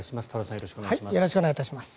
よろしくお願いします。